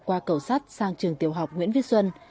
qua cầu sắt sang trường tiểu học nguyễn viết xuân